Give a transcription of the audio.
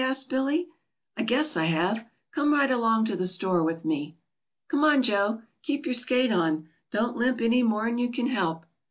asked Billy. "I guess I have. Come right along to the store with me." "Come on, Joe. Keep your skate on. Don't limp any more'n you can help."